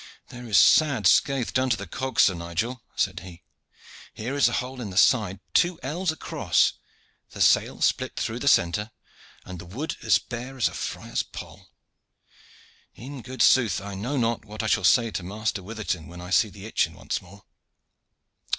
"There is sad scath done to the cog, Sir Nigel," said he. "Here is a hole in the side two ells across, the sail split through the centre, and the wood as bare as a friar's poll. In good sooth, I know not what I shall say to Master Witherton when I see the Itchen once more."